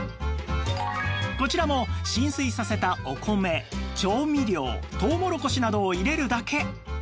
こちらも浸水させたお米調味料とうもろこしなどを入れるだけ